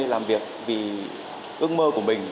làm việc vì ước mơ của mình